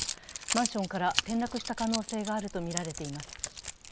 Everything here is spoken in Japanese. マンションから転落した可能性があるとみられています。